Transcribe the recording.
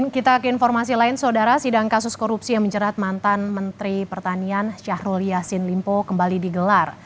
kita ke informasi lain saudara sidang kasus korupsi yang menjerat mantan menteri pertanian syahrul yassin limpo kembali digelar